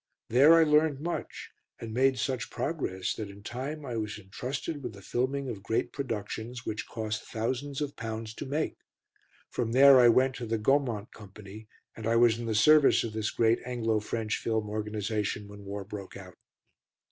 There I learned much and made such progress that in time I was entrusted with the filming of great productions, which cost thousands of pounds to make. From there I went to the Gaumont Company, and I was in the service of this great Anglo French film organisation when war broke out.